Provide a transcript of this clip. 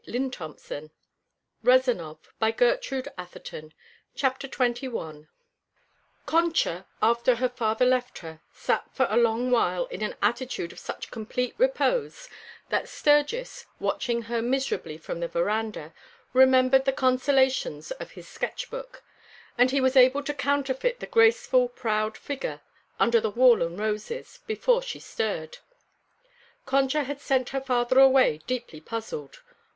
Concha will remain at Juan Moraga's for the present." XXI Concha, after her father left her, sat for a long while in an attitude of such complete repose that Sturgis, watching her miserably from the veranda, remembered the consolations of his sketch book; and he was able to counterfeit the graceful, proud figure, under the wall and roses, before she stirred. Concha had sent her father away deeply puzzled.